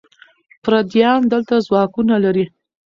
پردیان دلته ځواکونه لري.